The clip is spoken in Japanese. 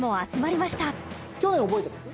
去年覚えてます？